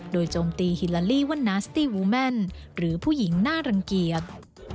โดยโจมตีฮิลาลีว่านาสตี้วูแมนหรือผู้หญิงน่ารังเกียจ